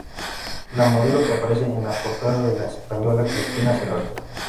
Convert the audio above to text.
La modelo que aparece en la portada es la española Cristina Serrato.